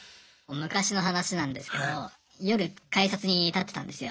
昔の話なんですけど夜改札に立ってたんですよ。